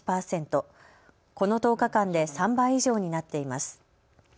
この１０日間で３倍以上になっています。